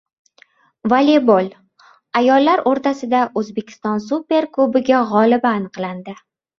Voleybol: Ayollar o‘rtasida O‘zbekiston superkubogi g‘olibi aniqlandi